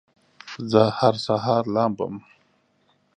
زه هر سهار لامبم